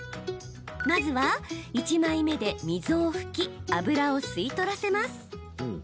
まずは、１枚目で溝を拭き油を吸い取らせます。